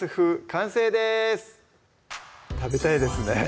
完成です食べたいですね